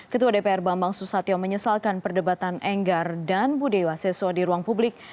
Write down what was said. ketua dpr bambang susatyo menyesalkan perdebatan enggar dan bu dewaseswa di ruang publik